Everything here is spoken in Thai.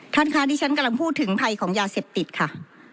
ท่านคะที่ฉันกำลังพูดถึงภัยของยาเสพติดค่ะ